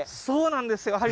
そうなんですよ